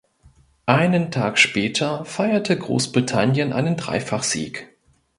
Einen Tag später feierte Großbritannien einen Dreifachsieg.